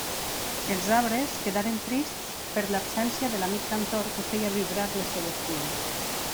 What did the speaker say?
Els arbres quedaren trists per l'absència de l'amic cantor que feia vibrar les seues fulles.